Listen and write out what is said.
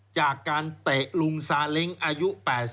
จากการเตะลุงซาเล้งอายุ๘๐